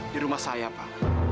di rumah saya pak